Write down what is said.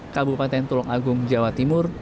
kabupaten tulung agung jawa timur